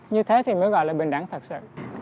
như thế thì mới gọi là bình đẳng thật sự